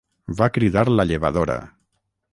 Va cridar la llevadora.